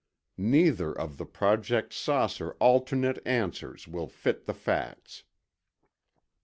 Neither of the Project "Saucer" alternate answers will fit the facts.